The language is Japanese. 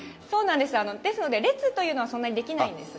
ですので、列というのはそんなに出来ないんですが。